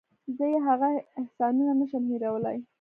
زه یې هغه احسانونه نشم هېرولی.